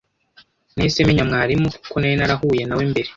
Nahise menya mwarimu, kuko nari narahuye nawe mbere.